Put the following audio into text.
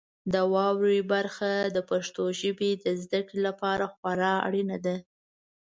د واورئ برخه د پښتو ژبې د زده کړې لپاره خورا اړینه ده.